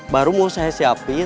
baru mau saya siapin